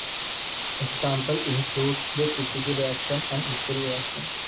Examples include the Suzuki reaction and Stille reaction.